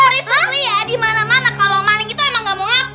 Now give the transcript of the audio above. prisus lia dimana mana kalau maning itu emang gak mau ngaku